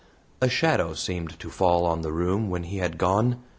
A shadow seemed to fall on the room when he had gone.